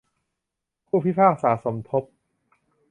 ผู้พิพากษาสมทบ